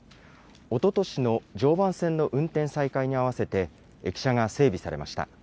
おととしの常磐線の運転再開に合わせて、駅舎が整備されました。